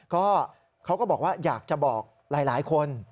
ก็เขาก็บอกว่าอยากจะบอกหลายคน